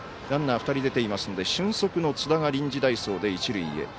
ランナー２人出ていますので俊足の津田が臨時代走で一塁へ。